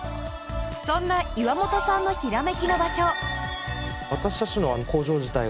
そんな岩本さんのヒラメキの場所。